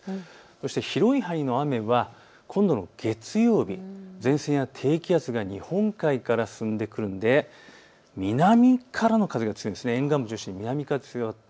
そして広い範囲の雨は今度の月曜日、前線や低気圧が日本海から進んでくるので南からの風が強いんです。